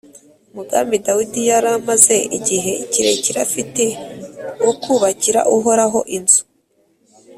umugambi dawidi yari amaze igihe kirekire afite wo kubakira uhoraho inzu,